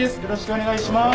お願いします。